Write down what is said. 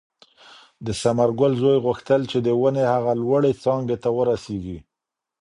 د ثمرګل زوی غوښتل چې د ونې هغې لوړې څانګې ته ورسېږي.